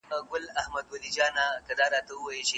شاګرد د ليکني ژبه څنګه روښانه کوي؟